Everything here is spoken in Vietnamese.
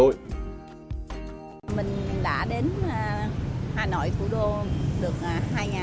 mình đã đến hà nội thủ đô được hai nhà